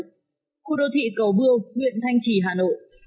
khu đô thị cầu bưu huyện thanh trì hà nội